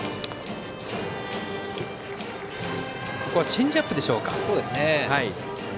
チェンジアップでしょうか。